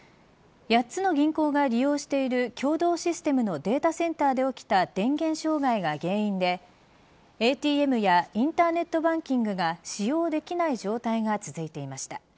８つの銀行が利用している共同システムのデータセンターで起きた電源障害が原因でＡＴＭやインターネットバンキングが使用できない状態が続いていました。